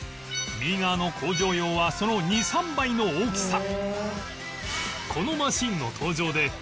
右側の工場用はその２３倍の大きさ